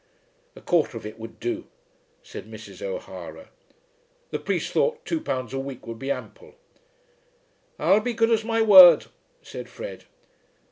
"A quarter of it would do," said Mrs. O'Hara. The priest thought £2 a week would be ample. "I'll be as good as my word," said Fred.